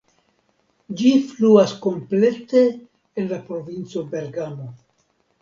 Ĝi fluas komplete en la provinco Bergamo.